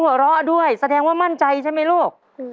หัวเราะด้วยแสดงว่ามั่นใจใช่ไหมลูก